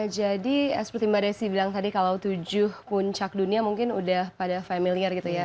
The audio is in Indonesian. seperti mbak desi bilang tadi kalau tujuh puncak dunia mungkin udah pada familiar gitu ya